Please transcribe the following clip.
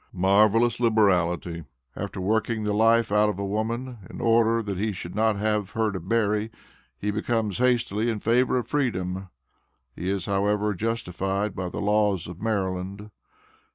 Marvellous liberality! After working the life out of a woman, in order that he should not have her to bury, he becomes hastily in favor of freedom. He is, however, justified by the laws of Maryland.